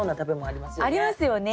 ありますよね。